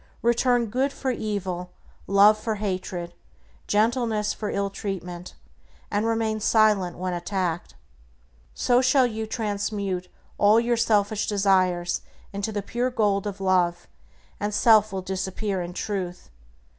Return good for evil, love for hatred, gentleness for ill treatment, and remain silent when attacked. So shall you transmute all your selfish desires into the pure gold of Love, and self will disappear in Truth.